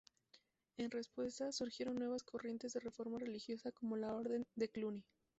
En respuesta, surgieron nuevas corrientes de reforma religiosa como la orden de Cluny.